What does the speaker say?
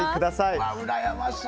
うらやましい。